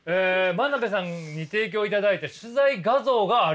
真鍋さんに提供いただいた取材画像がある？